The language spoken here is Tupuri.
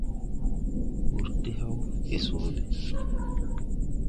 Wùr de hàw gè soole.